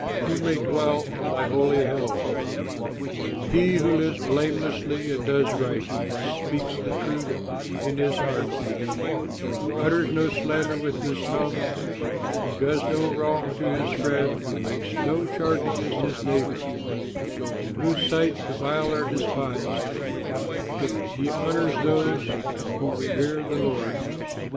Who may dwell on thy holy hill? He who lives blamelessly and does right, And speaks the truth in his heart, Who utters no slander with his tongue, Who does no wrong to his friend, Who makes no charge against his neighbor; In whose sight the vile are despised, But he honors those who revere the Lord.